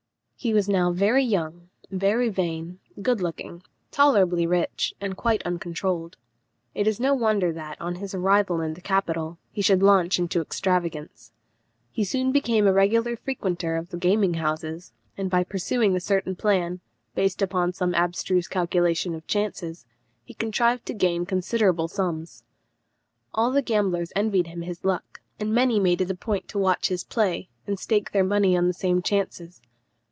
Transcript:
He was now very young, very vain, good looking, tolerably rich, and quite uncontrolled. It is no wonder that, on his arrival in the capital, he should launch out into extravagance. He soon became a regular frequenter of the gaming houses, and by pursuing a certain plan, based upon some abstruse calculation of chances, he contrived to gain considerable sums. All the gamblers envied him his luck, and many made it a point to watch his play, and stake their money on the same chances.